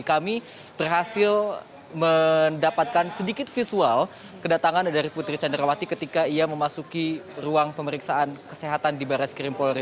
kami berhasil mendapatkan sedikit visual kedatangan dari putri candrawati ketika ia memasuki ruang pemeriksaan kesehatan di baris krim polri